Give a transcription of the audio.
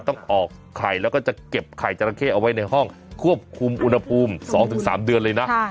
ต้องออกไข่แล้วก็จะเก็บไข่จราเข้เอาไว้ในห้องควบคุมอุณหภูมิ๒๓เดือนเลยนะ